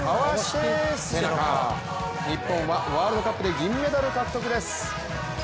日本はワールドカップで銀メダル獲得です。